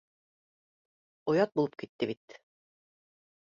Оят булып китте бит